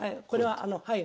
はい。